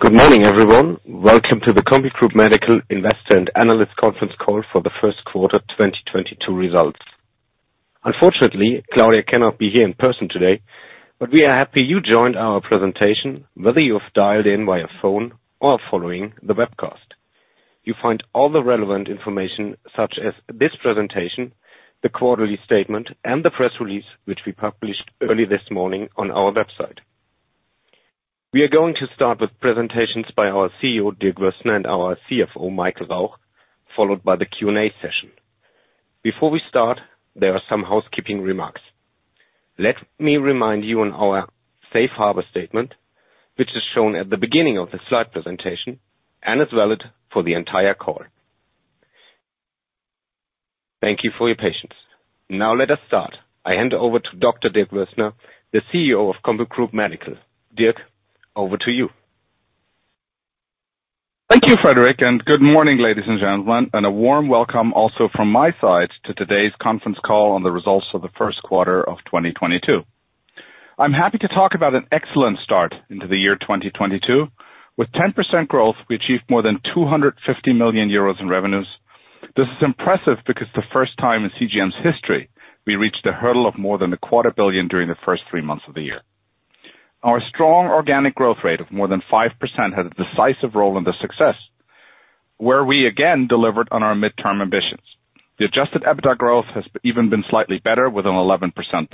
Good morning, everyone. Welcome to the CompuGroup Medical Investor and Analyst Conference call for the first quarter 2022 results. Unfortunately, Claudia cannot be here in person today, but we are happy you joined our presentation, whether you have dialed in via phone or following the webcast. You find all the relevant information, such as this presentation, the quarterly statement and the press release, which we published early this morning on our website. We are going to start with presentations by our CEO, Dirk Wössner, and our CFO, Michael Rauch, followed by the Q&A session. Before we start, there are some housekeeping remarks. Let me remind you on our safe harbor statement, which is shown at the beginning of the slide presentation and is valid for the entire call. Thank you for your patience. Now let us start. I hand over to Dr. Dirk Wössner, the CEO of CompuGroup Medical. Dirk, over to you. Thank you, Frederic, and good morning, ladies and gentlemen, and a warm welcome also from my side to today's conference call on the results of the first quarter of 2022. I'm happy to talk about an excellent start into the year 2022. With 10% growth, we achieved more than 250 million euros in revenues. This is impressive because the first time in CGM's history we reached a hurdle of more than a quarter billion EUR during the first three months of the year. Our strong organic growth rate of more than 5% had a decisive role in this success, where we again delivered on our midterm ambitions. The adjusted EBITDA growth has even been slightly better with an 11%+.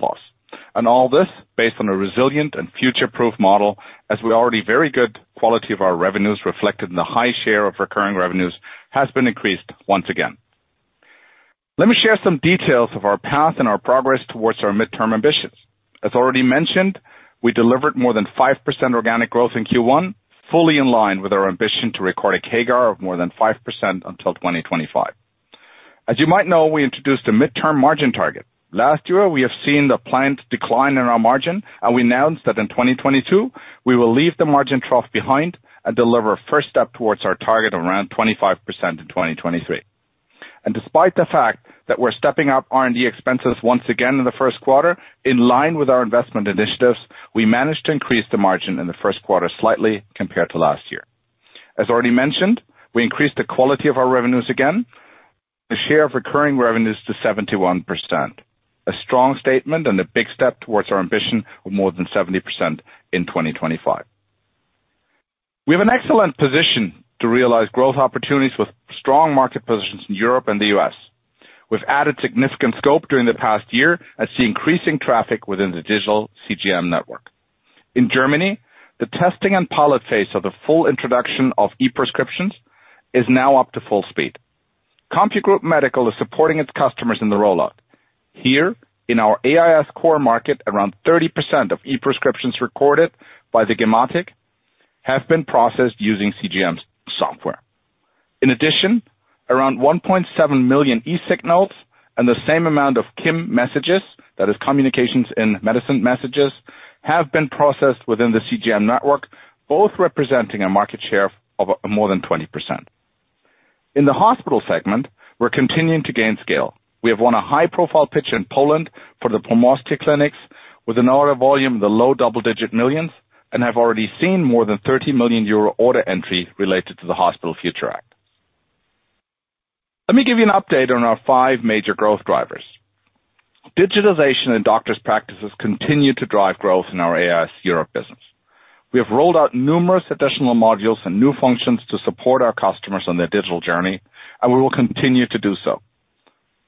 All this based on a resilient and future-proof model as we already very good quality of our revenues reflected in the high share of recurring revenues has been increased once again. Let me share some details of our path and our progress towards our midterm ambitions. As already mentioned, we delivered more than 5% organic growth in Q1, fully in line with our ambition to record a CAGR of more than 5% until 2025. As you might know, we introduced a midterm margin target. Last year, we have seen the planned decline in our margin, and we announced that in 2022 we will leave the margin trough behind and deliver first step towards our target of around 25% in 2023. Despite the fact that we're stepping up R&D expenses once again in the first quarter, in line with our investment initiatives, we managed to increase the margin in the first quarter slightly compared to last year. As already mentioned, we increased the quality of our revenues again, the share of recurring revenues to 71%. A strong statement and a big step towards our ambition of more than 70% in 2025. We have an excellent position to realize growth opportunities with strong market positions in Europe and the US. We've added significant scope during the past year and see increasing traffic within the digital CGM network. In Germany, the testing and pilot phase of the full introduction of e-prescriptions is now up to full speed. CompuGroup Medical is supporting its customers in the rollout. Here, in our AIS core market, around 30% of e-prescriptions recorded by the gematik have been processed using CGM's software. In addition, around 1.7 million eAU signals and the same amount of KIM messages, that is Communications in Medicine messages, have been processed within the CGM network, both representing a market share of more than 20%. In the hospital segment, we're continuing to gain scale. We have won a high-profile pitch in Poland for the Pomorskie Clinics with an order volume in the EUR low double-digit millions and have already seen more than 30 million euro order entry related to the Hospital Future Act. Let me give you an update on our five major growth drivers. Digitization in doctor's practices continue to drive growth in our AIS Europe business. We have rolled out numerous additional modules and new functions to support our customers on their digital journey, and we will continue to do so.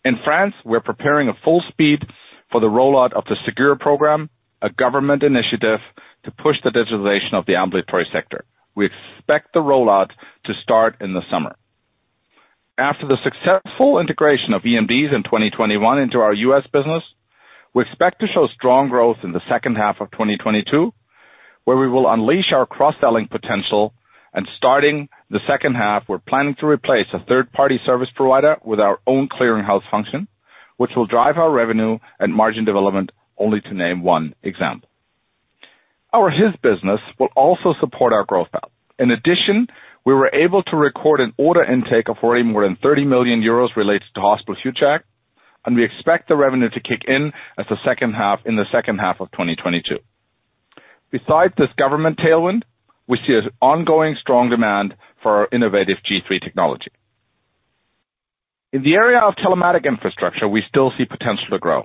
In France, we're preparing at full speed for the rollout of the Ségur program, a government initiative to push the digitization of the ambulatory sector. We expect the rollout to start in the summer. After the successful integration of eMDs in 2021 into our U.S. business, we expect to show strong growth in the second half of 2022, where we will unleash our cross-selling potential, and starting in the second half, we're planning to replace a third-party service provider with our own clearinghouse function, which will drive our revenue and margin development only to name one example. Our HIS business will also support our growth path. In addition, we were able to record an order intake of already more than 30 million euros related to Hospital Future Act, and we expect the revenue to kick in in the second half of 2022. Besides this government tailwind, we see an ongoing strong demand for our innovative G3 technology. In the area of telematics infrastructure, we still see potential to grow.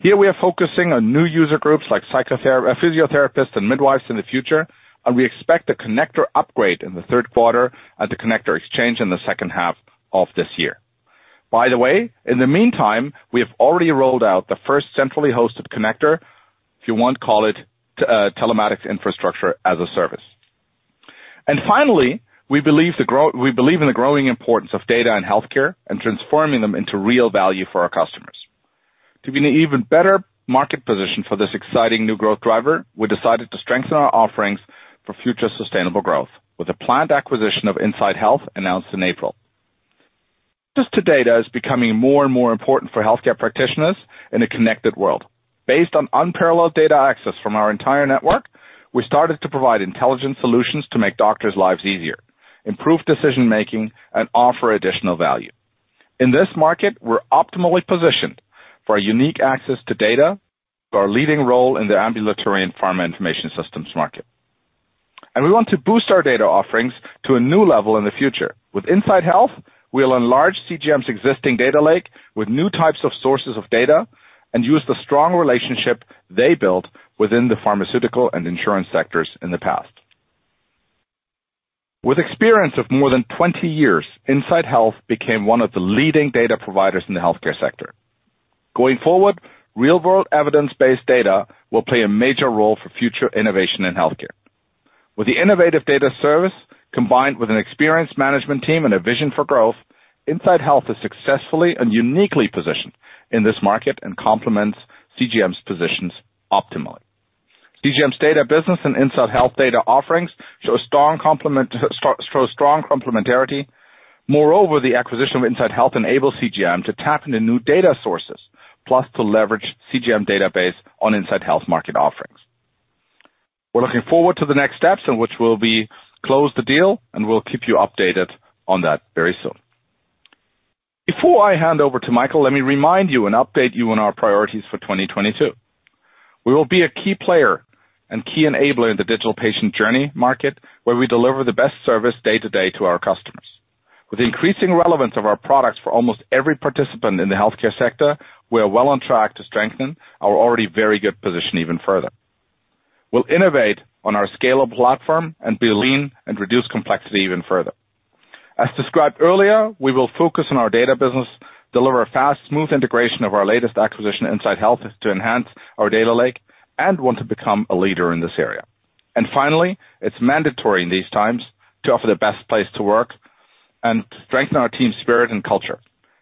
Here we are focusing on new user groups like physiotherapists and midwives in the future, and we expect a connector upgrade in the third quarter at the connector exchange in the second half of this year. By the way, in the meantime, we have already rolled out the first centrally hosted connector, if you want to call it, telematics infrastructure as a service. Finally, we believe in the growing importance of data in healthcare and transforming them into real value for our customers. To be in an even better market position for this exciting new growth driver, we decided to strengthen our offerings for future sustainable growth with a planned acquisition of Insight Health announced in April. Just today, data is becoming more and more important for healthcare practitioners in a connected world. Based on unparalleled data access from our entire network, we started to provide intelligent solutions to make doctors' lives easier, improve decision-making, and offer additional value. In this market, we're optimally positioned for a unique access to data, for our leading role in the ambulatory and pharma information systems market. We want to boost our data offerings to a new level in the future. With Insight Health, we'll enlarge CGM's existing data lake with new types of sources of data and use the strong relationship they built within the pharmaceutical and insurance sectors in the past. With experience of more than 20 years, Insight Health became one of the leading data providers in the healthcare sector. Going forward, real-world evidence-based data will play a major role for future innovation in healthcare. With the innovative data service combined with an experienced management team and a vision for growth, Insight Health is successfully and uniquely positioned in this market and complements CGM's positions optimally. CGM's data business and Insight Health data offerings show a strong complementarity. Moreover, the acquisition of Insight Health enables CGM to tap into new data sources, plus to leverage CGM's database and Insight Health's market offerings. We're looking forward to the next steps in which we'll close the deal, and we'll keep you updated on that very soon. Before I hand over to Michael, let me remind you and update you on our priorities for 2022. We will be a key player and key enabler in the digital patient journey market, where we deliver the best service day to day to our customers. With increasing relevance of our products for almost every participant in the healthcare sector, we are well on track to strengthen our already very good position even further. We'll innovate on our scalable platform and be lean and reduce complexity even further. As described earlier, we will focus on our data business, deliver a fast, smooth integration of our latest acquisition, Insight Health, to enhance our data lake and want to become a leader in this area. Finally, it's mandatory in these times to offer the best place to work and to strengthen our team spirit and culture.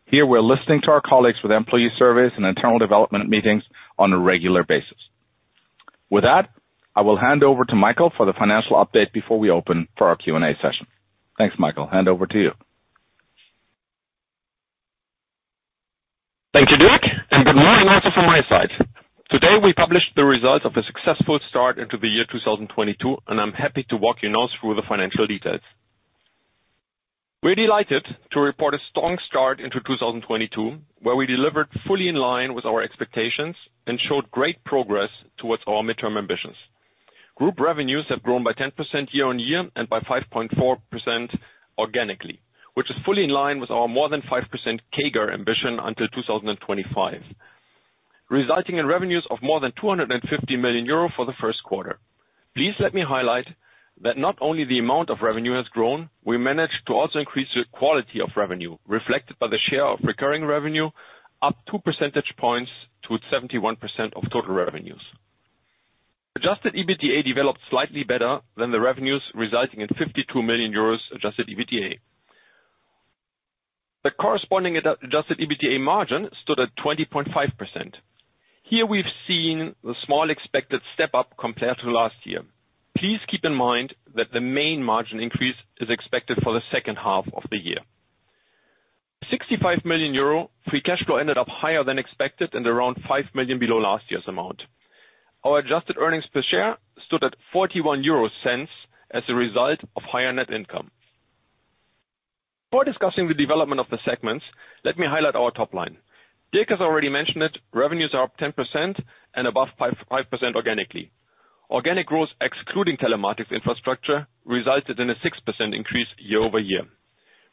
Here, we're listening to our colleagues with employee surveys and internal development meetings on a regular basis. With that, I will hand over to Michael for the financial update before we open for our Q&A session. Thanks, Michael. Hand over to you. Thank you, Dirk, and good morning also from my side. Today, we published the results of a successful start into the year 2022, and I'm happy to walk you now through the financial details. We're delighted to report a strong start into 2022, where we delivered fully in line with our expectations and showed great progress towards our midterm ambitions. Group revenues have grown by 10% year-over-year and by 5.4% organically, which is fully in line with our more than 5% CAGR ambition until 2025, resulting in revenues of more than 250 million euro for the first quarter. Please let me highlight that not only the amount of revenue has grown, we managed to also increase the quality of revenue, reflected by the share of recurring revenue, up two percentage points to 71% of total revenues. Adjusted EBITDA developed slightly better than the revenues resulting in 52 million euros adjusted EBITDA. The corresponding adjusted EBITDA margin stood at 20.5%. Here we've seen the small expected step-up compared to last year. Please keep in mind that the main margin increase is expected for the second half of the year. 65 million euro free cash flow ended up higher than expected and around 5 million below last year's amount. Our adjusted earnings per share stood at 0.41 as a result of higher net income. Before discussing the development of the segments, let me highlight our top line. Dirk has already mentioned it. Revenues are up 10% and above 5.5% organically. Organic growth, excluding telematics infrastructure, resulted in a 6% increase year-over-year.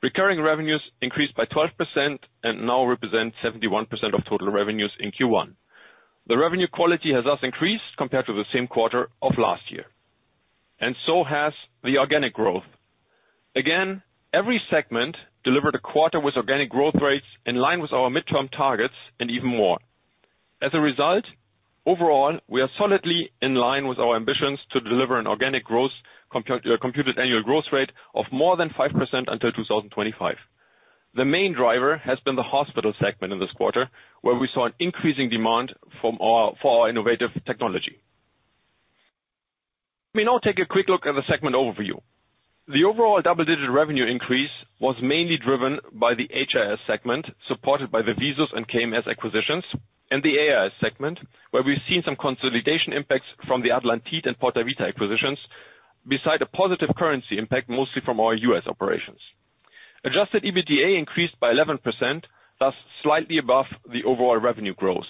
Recurring revenues increased by 12% and now represent 71% of total revenues in Q1. The revenue quality has thus increased compared to the same quarter of last year, and so has the organic growth. Again, every segment delivered a quarter with organic growth rates in line with our midterm targets and even more. As a result, overall, we are solidly in line with our ambitions to deliver an organic growth compound annual growth rate of more than 5% until 2025. The main driver has been the hospital segment in this quarter, where we saw an increasing demand for our innovative technology. Let me now take a quick look at the segment overview. The overall double-digit revenue increase was mainly driven by the HIS segment, supported by the VISUS and KMS acquisitions, and the AIS segment, where we've seen some consolidation impacts from the AATalanta and Portavita acquisitions, besides a positive currency impact, mostly from our U.S. operations. Adjusted EBITDA increased by 11%, thus slightly above the overall revenue growth.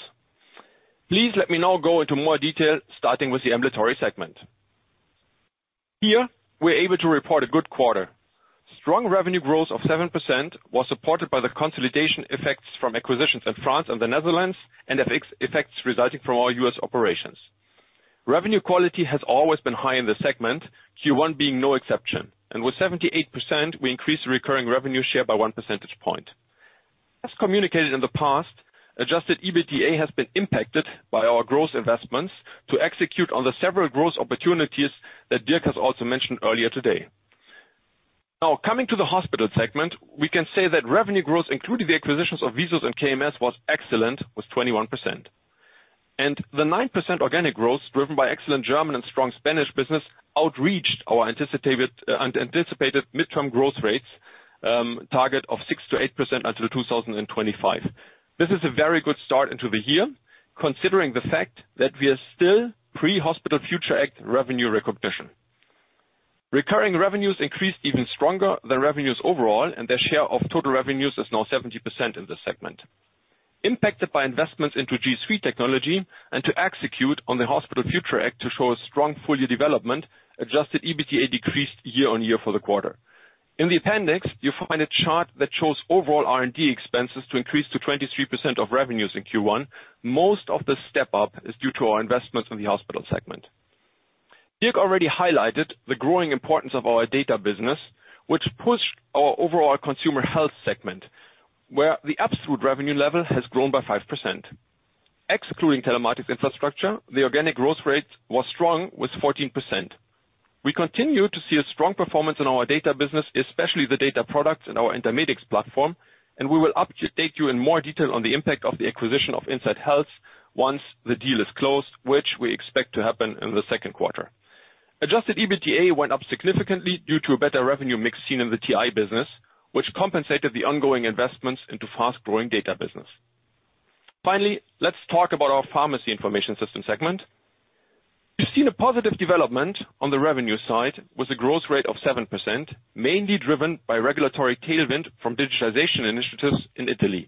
Please let me now go into more detail, starting with the ambulatory segment. Here, we're able to report a good quarter. Strong revenue growth of 7% was supported by the consolidation effects from acquisitions in France and the Netherlands and effects resulting from our U.S. operations. Revenue quality has always been high in this segment, Q1 being no exception, and with 78%, we increased the recurring revenue share by one percentage point. As communicated in the past, adjusted EBITDA has been impacted by our growth investments to execute on the several growth opportunities that Dirk has also mentioned earlier today. Now, coming to the hospital segment, we can say that revenue growth, including the acquisitions of VISUS and KMS, was excellent with 21%. The 9% organic growth, driven by excellent German and strong Spanish business, outreached our anticipated midterm growth rates target of 6% to 8% until 2025. This is a very good start into the year, considering the fact that we are still pre-Hospital Future Act revenue recognition. Recurring revenues increased even stronger than revenues overall, and their share of total revenues is now 70% in this segment. Impacted by investments into G3 technology and to execute on the Hospital Future Act to show a strong full-year development, adjusted EBITDA decreased year-on-year for the quarter. In the appendix, you'll find a chart that shows overall R&D expenses to increase to 23% of revenues in Q1. Most of the step up is due to our investments in the hospital segment. Dirk already highlighted the growing importance of our data business which pushed our overall consumer health segment, where the absolute revenue level has grown by 5%. Excluding telematics infrastructure, the organic growth rate was strong with 14%. We continue to see a strong performance in our data business, especially the data products in our Intermedix platform, and we will update you in more detail on the impact of the acquisition of Insight Health once the deal is closed, which we expect to happen in the second quarter. Adjusted EBITDA went up significantly due to a better revenue mix seen in the TI business, which compensated the ongoing investments into fast-growing data business. Finally, let's talk about our pharmacy information system segment. We've seen a positive development on the revenue side with a growth rate of 7%, mainly driven by regulatory tailwind from digitization initiatives in Italy.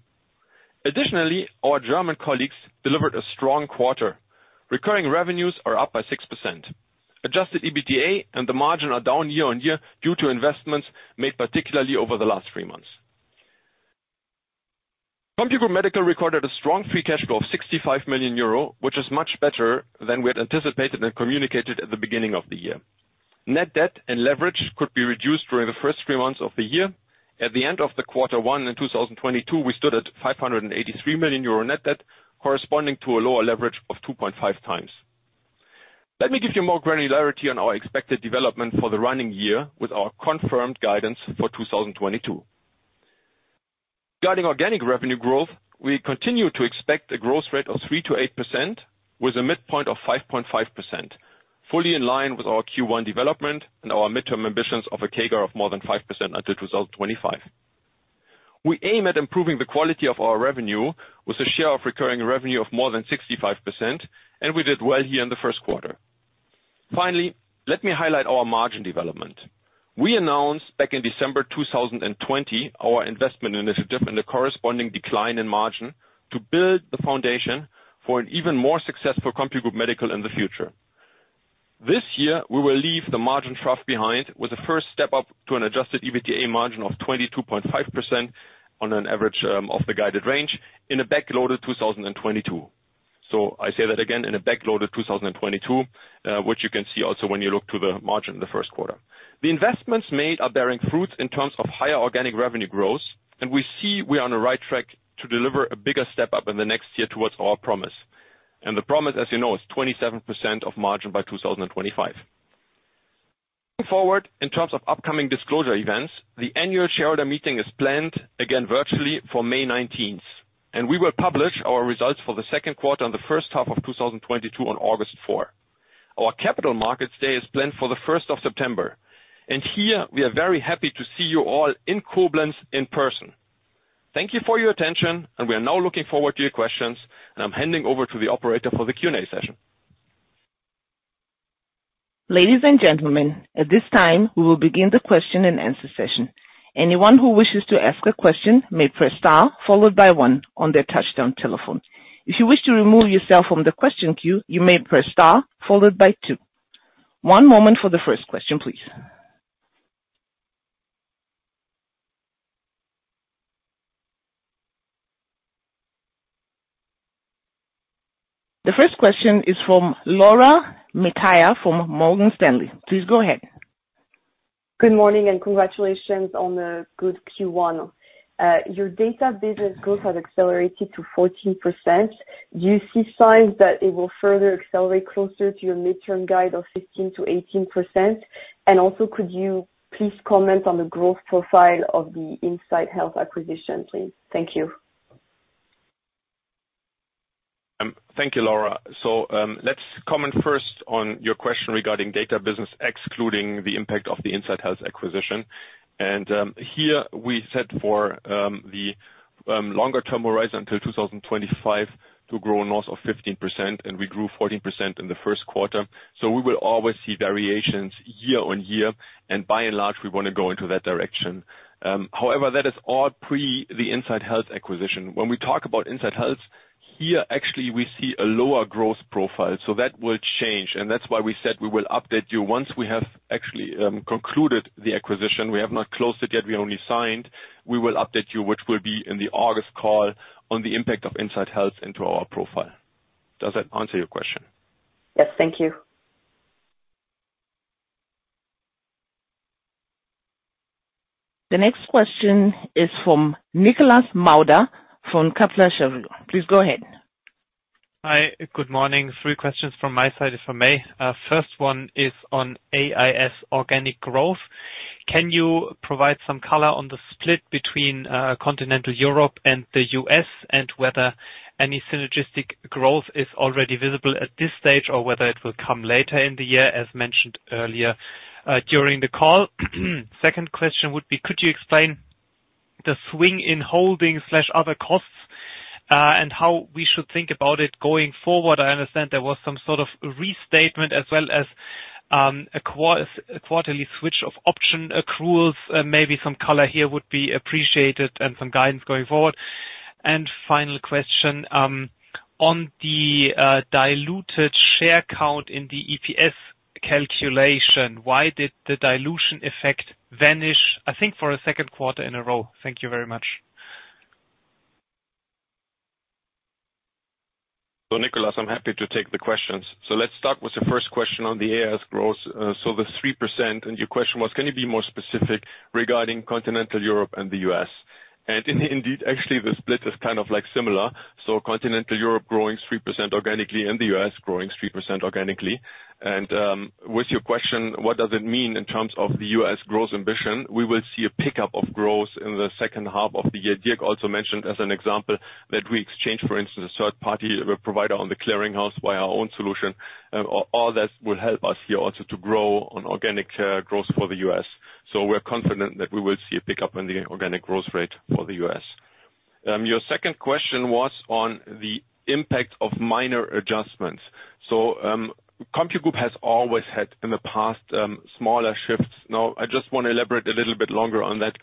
Additionally, our German colleagues delivered a strong quarter. Recurring revenues are up by 6%. Adjusted EBITDA and the margin are down year-over-year due to investments made particularly over the last three months. CompuGroup Medical recorded a strong free cash flow of 65 million euro, which is much better than we had anticipated and communicated at the beginning of the year. Net debt and leverage could be reduced during the first three months of the year. At the end of quarter one in 2022, we stood at 583 million euro net debt, corresponding to a lower leverage of 2.5x. Let me give you more granularity on our expected development for the running year with our confirmed guidance for 2022. Regarding organic revenue growth, we continue to expect a growth rate of 3% to 8% with a midpoint of 5.5%, fully in line with our Q1 development and our midterm ambitions of a CAGR of more than 5% until 2025. We aim at improving the quality of our revenue with a share of recurring revenue of more than 65%, and we did well here in the first quarter. Finally, let me highlight our margin development. We announced back in December 2020 our investment initiative and the corresponding decline in margin to build the foundation for an even more successful CompuGroup Medical in the future. This year, we will leave the margin trough behind with the first step up to an adjusted EBITDA margin of 22.5% on an average of the guided range in a backloaded 2022. I say that again, in a backloaded 2022, which you can see also when you look at the margin in the first quarter. The investments made are bearing fruits in terms of higher organic revenue growth, and we see we are on the right track to deliver a bigger step up in the next year towards our promise. The promise, as you know, is 27% margin by 2025. Looking forward in terms of upcoming disclosure events, the annual shareholder meeting is planned again virtually for May 19, and we will publish our results for the second quarter and the first half of 2022 on August 4. Our capital markets day is planned for September 1. Here we are very happy to see you all in Koblenz in person. Thank you for your attention, and we are now looking forward to your questions, and I'm handing over to the operator for the Q&A session. Ladies and gentlemen, at this time, we will begin the question and answer session. Anyone who wishes to ask a question may press star followed by one on their touch-tone telephone. If you wish to remove yourself from the question queue, you may press star followed by two. One moment for the first question, please. The first question is from Laura Metayer from Morgan Stanley. Please go ahead. Good morning, and congratulations on a good Q1. Your data business growth has accelerated to 14%. Do you see signs that it will further accelerate closer to your midterm guide of 15% to 18%? Could you please comment on the growth profile of the Insight Health acquisition, please? Thank you. Thank you, Laura. Let's comment first on your question regarding data business, excluding the impact of the Insight Health acquisition. Here we set for the longer term horizon until 2025 to grow north of 15%, and we grew 14% in the first quarter. We will always see variations year-on-year, and by and large, we wanna go into that direction. However, that is all pre the Insight Health acquisition. When we talk about Insight Health, here, actually, we see a lower growth profile. That will change, and that's why we said we will update you once we have actually concluded the acquisition. We have not closed it yet, we only signed. We will update you, which will be in the August call, on the impact of Insight Health into our profile. Does that answer your question? Yes. Thank you. The next question is from Nikolas Mauder from Kepler Cheuvreux. Please go ahead. Hi. Good morning. Three questions from my side if I may. First one is on AIS organic growth. Can you provide some color on the split between continental Europe and the U.S. and whether any synergistic growth is already visible at this stage or whether it will come later in the year as mentioned earlier during the call? Second question would be, could you explain. The swing in holding slash other costs and how we should think about it going forward. I understand there was some sort of restatement as well as a quarterly switch of option accruals. Maybe some color here would be appreciated and some guidance going forward. Final question on the diluted share count in the EPS calculation, why did the dilution effect vanish, I think, for a second quarter in a row? Thank you very much. Nicholas, I'm happy to take the questions. Let's start with the first question on the AIS growth. The 3% and your question was, can you be more specific regarding Continental Europe and the U.S.? Indeed, actually, the split is kind of like similar. Continental Europe growing 3% organically and the U.S. growing 3% organically. With your question, what does it mean in terms of the U.S. growth ambition? We will see a pickup of growth in the second half of the year. Dirk also mentioned as an example that we exchange, for instance, a third-party provider on the clearinghouse by our own solution. All that will help us here also to grow on organic growth for the U.S. We're confident that we will see a pickup in the organic growth rate for the U.S. Your second question was on the impact of minor adjustments. CompuGroup Medical has always had in the past, smaller shifts. Now, I just want to elaborate a little bit longer on that.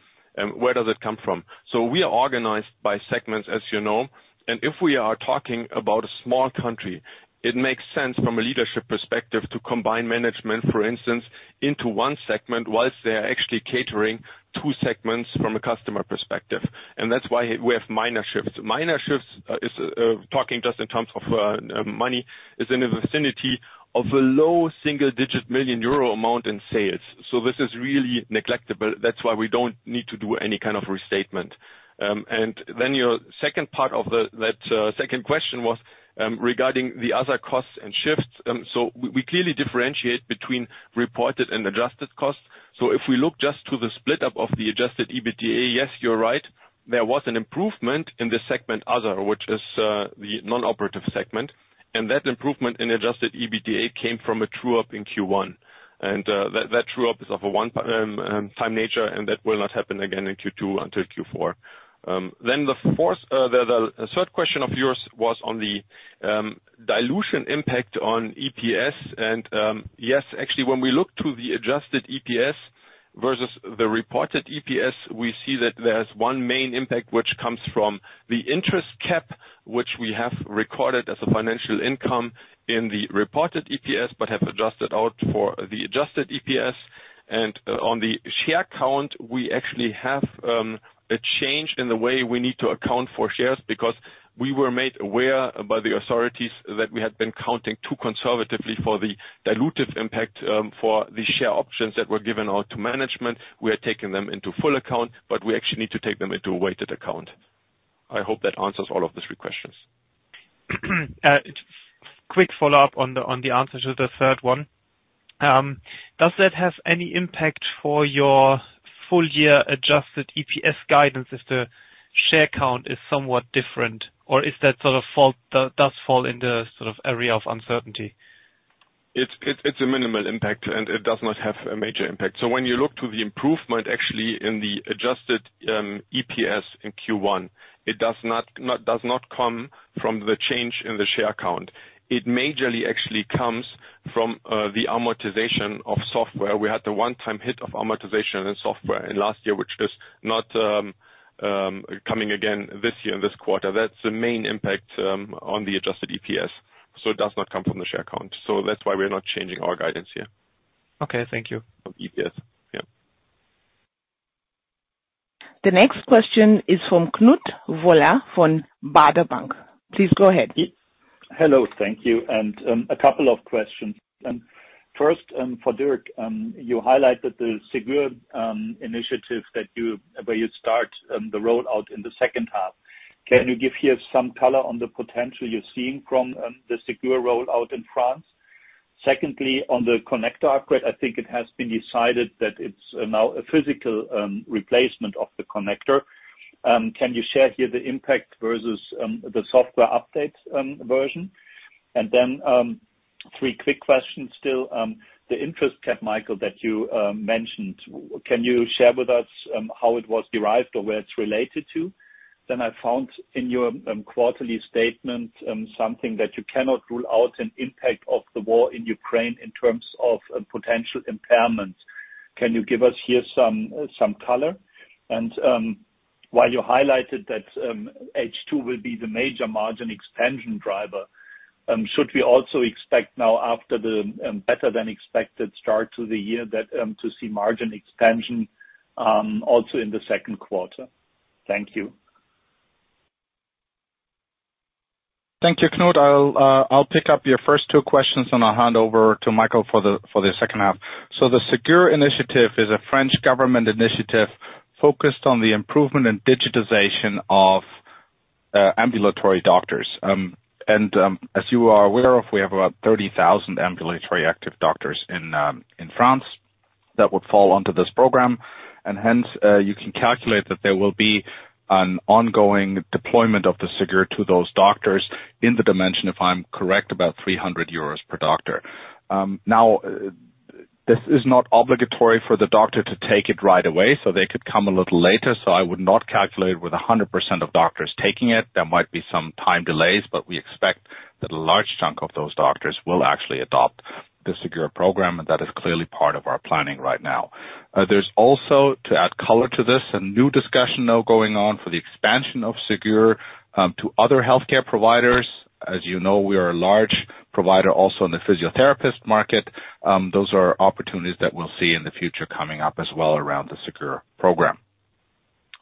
Where does it come from? We are organized by segments, as you know, and if we are talking about a small country, it makes sense from a leadership perspective to combine management, for instance, into one segment, while they are actually catering two segments from a customer perspective. That's why we have minor shifts. Minor shifts is, talking just in terms of money, in the vicinity of a low single-digit million EUR amount in sales. This is really negligible. That's why we don't need to do any kind of restatement. Your second part of that second question was regarding the other costs and shifts. We clearly differentiate between reported and adjusted costs. If we look just to the split up of the adjusted EBITDA, yes, you're right, there was an improvement in the segment other, which is the non-operative segment. That improvement in adjusted EBITDA came from a true up in Q1. That true up is of a one-time nature, and that will not happen again in Q2 until Q4. The third question of yours was on the dilution impact on EPS. Yes, actually, when we look to the adjusted EPS versus the reported EPS, we see that there's one main impact which comes from the interest cap, which we have recorded as a financial income in the reported EPS, but have adjusted out for the adjusted EPS. On the share count, we actually have a change in the way we need to account for shares because we were made aware by the authorities that we had been counting too conservatively for the dilutive impact for the share options that were given out to management. We are taking them into full account, but we actually need to take them into a weighted account. I hope that answers all of the three questions. Quick follow-up on the answer to the third one. Does that have any impact for your full year adjusted EPS guidance if the share count is somewhat different, or does that fall in the sort of area of uncertainty? It's a minimal impact, and it does not have a major impact. When you look to the improvement actually in the adjusted EPS in Q1, it does not come from the change in the share count. It majorly actually comes from the amortization of software. We had the one-time hit of amortization in software in last year, which is not coming again this year, this quarter. That's the main impact on the adjusted EPS. It does not come from the share count. That's why we're not changing our guidance here. Okay, thank you. EPS, yeah. The next question is from Knut Woller of Baader Bank. Please go ahead. Hello. Thank you. A couple of questions. First, for Dirk, you highlighted the Ségur initiative where you start the rollout in the second half. Can you give here some color on the potential you're seeing from the Ségur rollout in France? Secondly, on the connector upgrade, I think it has been decided that it's now a physical replacement of the connector. Can you share here the impact versus the software update version? Three quick questions still. The interest rate cap, Michael, that you mentioned, can you share with us how it was derived or where it's related to? I found in your quarterly statement something that you cannot rule out an impact of the war in Ukraine in terms of potential impairments. Can you give us here some color? While you highlighted that H2 will be the major margin expansion driver, should we also expect now after the better-than-expected start to the year that to see margin expansion also in the second quarter? Thank you. Thank you, Knut. I'll pick up your first two questions, and I'll hand over to Michael for the second half. The Ségur initiative is a French government initiative focused on the improvement and digitization of ambulatory doctors. As you are aware of, we have about 30,000 ambulatory active doctors in France that would fall onto this program. Hence, you can calculate that there will be an ongoing deployment of the Ségur to those doctors in the dimension, if I'm correct, about 300 euros per doctor. This is not obligatory for the doctor to take it right away, so they could come a little later. I would not calculate with 100% of doctors taking it. There might be some time delays, but we expect that a large chunk of those doctors will actually adopt the Ségur program, and that is clearly part of our planning right now. There's also, to add color to this, a new discussion now going on for the expansion of Ségur to other healthcare providers. As you know, we are a large provider also in the physiotherapist market. Those are opportunities that we'll see in the future coming up as well around the Ségur program.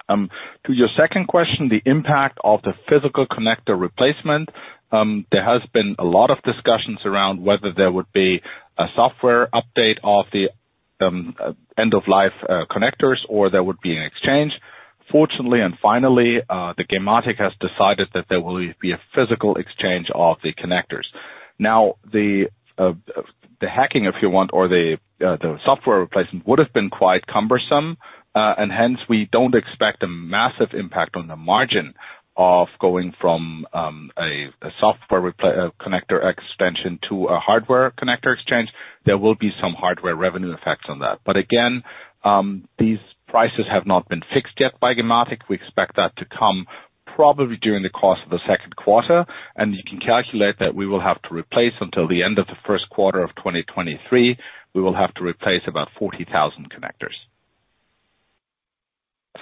To your second question, the impact of the physical connector replacement, there has been a lot of discussions around whether there would be a software update of the end of life connectors, or there would be an exchange. Fortunately, and finally, the gematik has decided that there will be a physical exchange of the connectors. Now, the hacking, if you want, or the software replacement would've been quite cumbersome, and hence, we don't expect a massive impact on the margin of going from a software connector extension to a hardware connector exchange. There will be some hardware revenue effects on that. Again, these prices have not been fixed yet by gematik. We expect that to come probably during the course of the second quarter, and you can calculate that we will have to replace about 40,000 connectors until the end of the first quarter of 2023.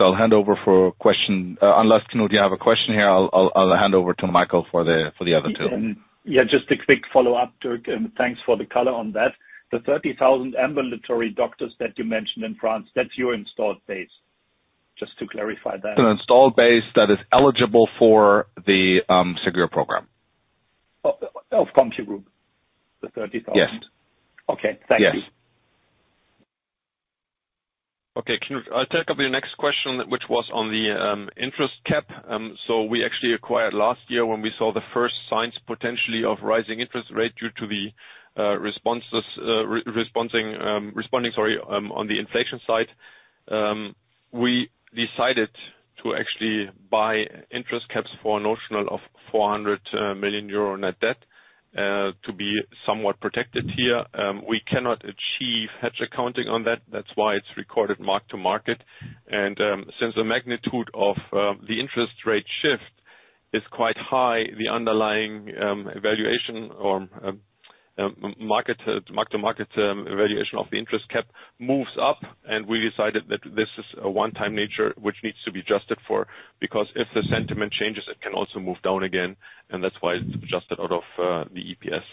I'll hand over for question. Unless, Knut, you have a question here, I'll hand over to Michael for the other two. Yeah, just a quick follow-up, Dirk, and thanks for the color on that. The 30,000 ambulatory doctors that you mentioned in France, that's your installed base, just to clarify that. An installed base that is eligible for the Ségur program. Of CompuGroup, the 30,000? Yes. Okay. Thank you. Yes. Okay, Knut, I'll take up your next question, which was on the interest rate cap. We actually acquired last year when we saw the first signs potentially of rising interest rate due to the responses to the inflation side. We decided to actually buy interest rate caps for a notional of 400 million euro net debt to be somewhat protected here. We cannot achieve hedge accounting on that. That's why it's recorded mark to market. Since the magnitude of the interest rate shift is quite high, the underlying evaluation or mark to market evaluation of the interest rate cap moves up, and we decided that this is a one-time nature which needs to be adjusted for, because if the sentiment changes, it can also move down again, and that's why it's adjusted out of the EPS.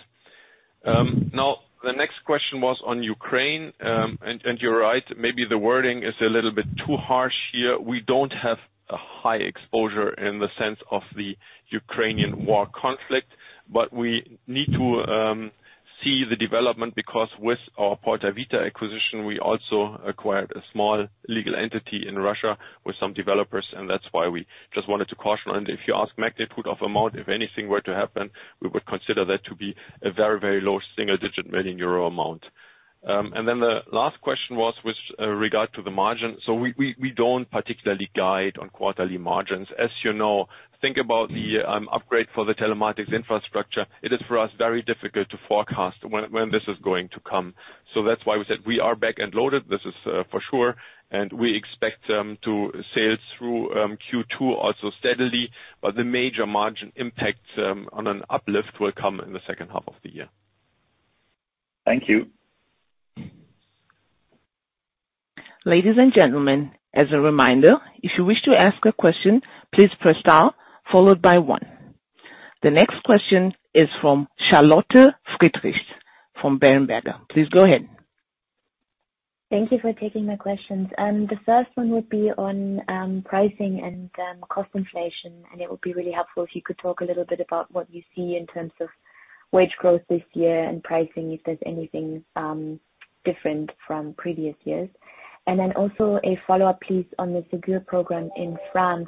Now the next question was on Ukraine, and you're right, maybe the wording is a little bit too harsh here. We don't have a high exposure in the sense of the Ukrainian war conflict, but we need to see the development because with our Portavita acquisition, we also acquired a small legal entity in Russia with some developers, and that's why we just wanted to caution. If you ask magnitude of amount, if anything were to happen, we would consider that to be a very, very low single digit million EUR amount. Then the last question was with regard to the margin. We don't particularly guide on quarterly margins. As you know, think about the upgrade for the telematics infrastructure. It is for us very difficult to forecast when this is going to come. That's why we said we are backend loaded. This is for sure, and we expect to sail through Q2 also steadily, but the major margin impact on an uplift will come in the second half of the year. Thank you. Ladies and gentlemen, as a reminder, if you wish to ask a question, please press star followed by one. The next question is from Charlotte Friedrichs from Berenberg. Please go ahead. Thank you for taking my questions. The first one would be on pricing and cost inflation, and it would be really helpful if you could talk a little bit about what you see in terms of wage growth this year and pricing, if there's anything different from previous years. Also a follow-up please on the Ségur program in France.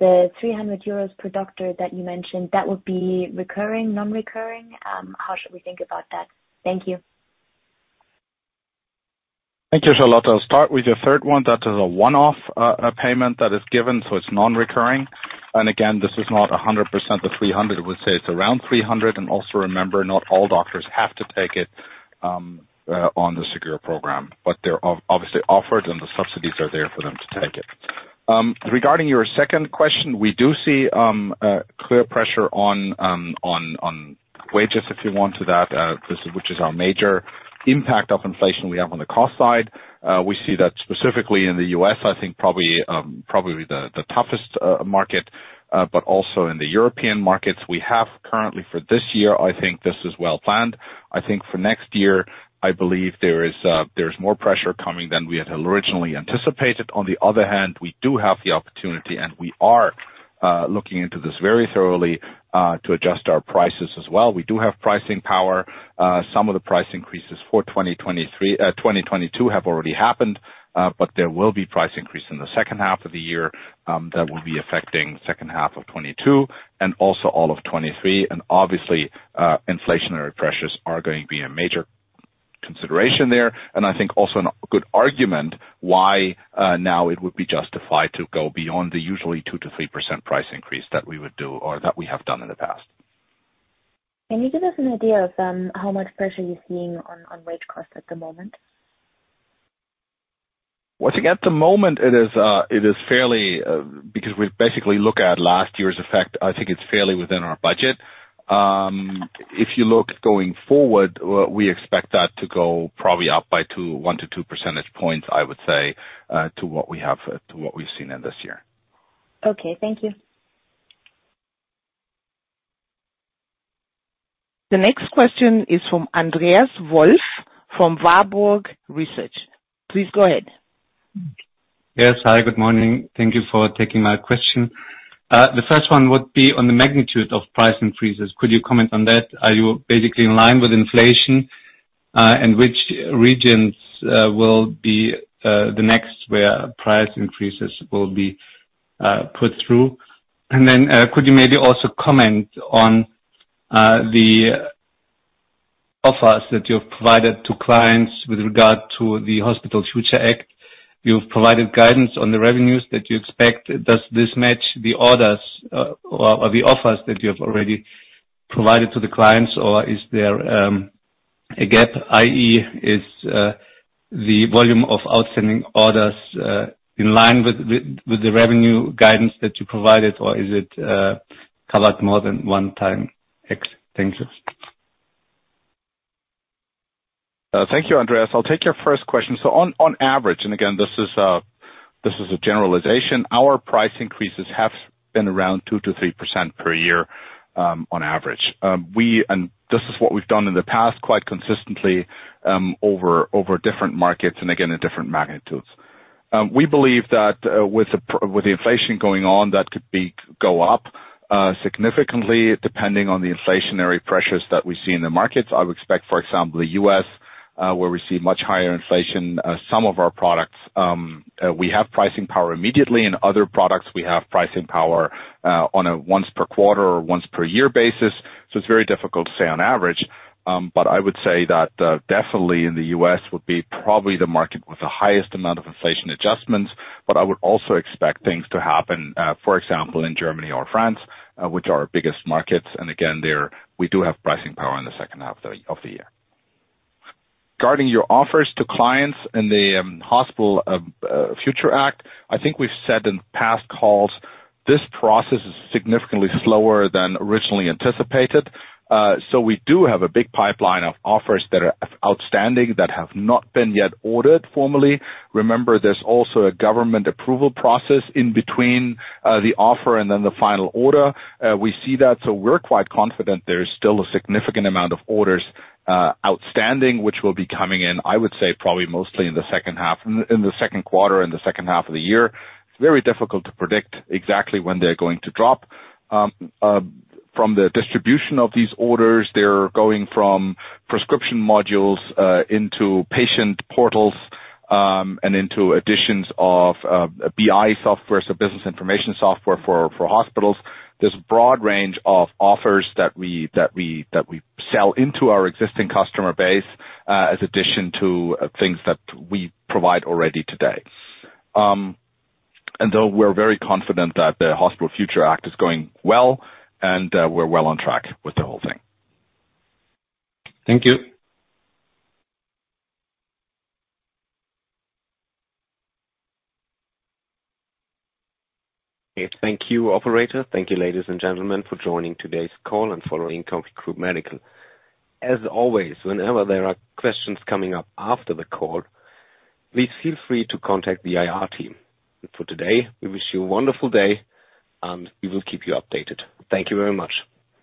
The 300 euros per doctor that you mentioned, that would be recurring, non-recurring? How should we think about that? Thank you. Thank you, Charlotte. I'll start with your third one. That is a one-off payment that is given, so it's non-recurring. Again, this is not 100% of 300. I would say it's around 300. Also remember, not all doctors have to take it on the Ségur program, but they're obviously offered and the subsidies are there for them to take it. Regarding your second question, we do see a clear pressure on wages, if you want to call it that, which is our major impact of inflation we have on the cost side. We see that specifically in the US, I think probably the toughest market, but also in the European markets we have currently for this year, I think this is well planned. I think for next year, I believe there is, there's more pressure coming than we had originally anticipated. On the other hand, we do have the opportunity, and we are, looking into this very thoroughly, to adjust our prices as well. We do have pricing power. Some of the price increases for 2023, 2022 have already happened, but there will be price increase in the second half of the year, that will be affecting second half of 2022 and also all of 2023. Obviously, inflationary pressures are going to be a major consideration there. I think also a good argument why, now it would be justified to go beyond the usually 2% to 3% price increase that we would do or that we have done in the past. Can you give us an idea of how much pressure you're seeing on wage costs at the moment? Well, I think at the moment it is fairly because we basically look at last year's effect. I think it's fairly within our budget. If you look going forward, we expect that to go probably up by one to two percentage points, I would say, to what we've seen in this year. Okay. Thank you. The next question is from Andreas Wolf from Warburg Research. Please go ahead. Yes. Hi, good morning. Thank you for taking my question. The first one would be on the magnitude of price increases. Could you comment on that? Are you basically in line with inflation? And which regions will be the next where price increases will be put through? And then, could you maybe also comment on the offers that you've provided to clients with regard to the Hospital Future Act? You've provided guidance on the revenues that you expect. Does this match the orders or the offers that you have already provided to the clients? Or is there a gap, i.e., is the volume of outstanding orders in line with the revenue guidance that you provided, or is it covered more than one time? Thank you. Thank you, Andreas. I'll take your first question. On average, and again this is a generalization, our price increases have been around 2% to 3% per year, on average. This is what we've done in the past quite consistently, over different markets and again, in different magnitudes. We believe that with the inflation going on, that could go up significantly depending on the inflationary pressures that we see in the markets. I would expect, for example, the U.S., where we see much higher inflation. Some of our products, we have pricing power immediately. In other products we have pricing power on a once per quarter or once per year basis. It's very difficult to say on average. I would say that, definitely in the U.S. would be probably the market with the highest amount of inflation adjustments. I would also expect things to happen, for example, in Germany or France, which are our biggest markets. Again, there we do have pricing power in the second half of the year. Regarding your offers to clients in the Hospital Future Act, I think we've said in past calls this process is significantly slower than originally anticipated. So we do have a big pipeline of offers that are outstanding that have not been yet ordered formally. Remember, there's also a government approval process in between, the offer and then the final order. We see that. We're quite confident there is still a significant amount of orders outstanding which will be coming in. I would say probably mostly in the second half, in the second quarter and the second half of the year. It's very difficult to predict exactly when they're going to drop. From the distribution of these orders, they're going from prescription modules into patient portals and into additions of BI software, so business information software for hospitals. There's broad range of offers that we sell into our existing customer base as addition to things that we provide already today. We're very confident that the Hospital Future Act is going well, and we're well on track with the whole thing. Thank you. Thank you, operator. Thank you, ladies and gentlemen, for joining today's call and following CompuGroup Medical. As always, whenever there are questions coming up after the call, please feel free to contact the IR team. For today, we wish you a wonderful day, and we will keep you updated. Thank you very much.